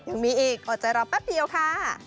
ยังมีอีกอดใจรอแป๊บเดียวค่ะ